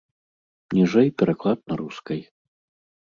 Ніжэй пераклад на рускай.